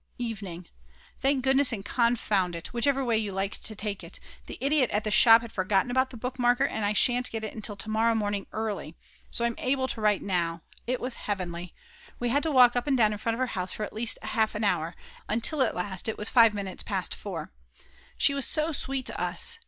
Evening. Thank goodness and confound it, whichever way you like to take it, the idiot at the shop had forgotten about the bookmarker and I shan't get it until to morrow morning early. So I'm able to write now: It was heavenly! We had to walk up and down in front of her house for at least half an hour, until at last it was 5 minutes past 4. She was so sweet to us!